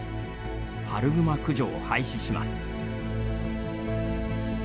春グマ駆除を廃止します。